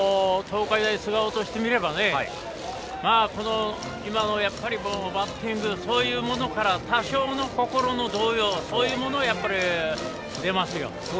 東海大菅生としてみれば今のバッティングそういうものから多少の心の動揺が出ますよ。